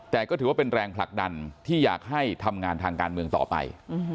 แต่ก็ถือว่าเป็นแรงผลักดันที่อยากให้ทำงานทางการเมืองต่อไป